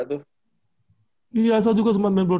kenapa tadi jadi milih basket mas kan sempet awalnya bola tuh